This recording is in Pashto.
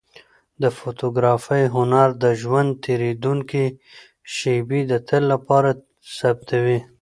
د فوتوګرافۍ هنر د ژوند تېرېدونکې شېبې د تل لپاره ثبتوي.